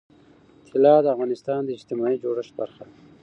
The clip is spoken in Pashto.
طلا د افغانستان د اجتماعي جوړښت برخه ده.